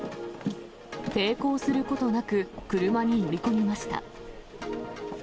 抵抗することなく、車に乗り込みました。